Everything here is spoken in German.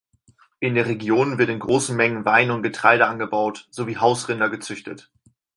In der Region wird in großen Mengen Wein und Getreide angebaut sowie Hausrinder gezüchtet.